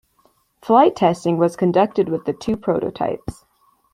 Flight testing was conducted with the two prototypes.